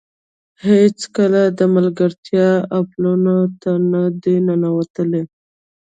هېڅکله د ملګرتیا اپونو ته نه ده ننوتې